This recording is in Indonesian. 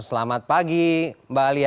selamat pagi mbak alia